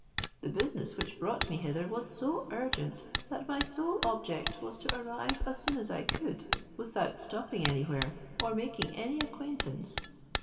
The business which brought me hither was so urgent, that my sole objets was to arrive as soon as I could, without stopping anywhere, or making any acquaintance.